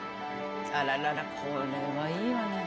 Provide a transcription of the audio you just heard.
あらららこれはいいわね。